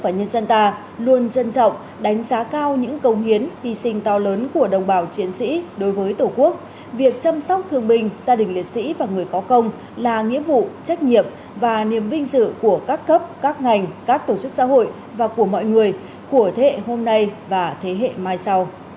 nhân dịp này gia đình liệt sĩ và người có công là nghĩa vụ trách nhiệm và niềm vinh dự của các cấp các ngành các tổ chức xã hội và của mọi người của thế hệ hôm nay và thế hệ mai sau